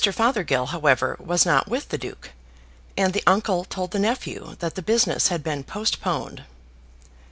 Fothergill, however, was not with the Duke, and the uncle told the nephew that the business had been postponed.